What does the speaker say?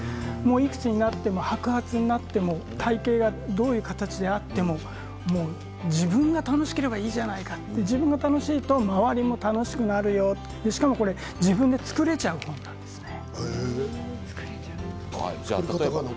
いくつになっても白髪になっても体形がどういう形であっても自分が楽しければいいじゃないか自分が楽しいと周りも楽しくなるよしかも自分で作れちゃう本なんですね。